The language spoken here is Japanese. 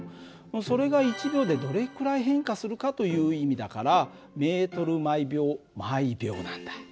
それが１秒でどれくらい変化するかという意味だからｍ／ｓなんだ。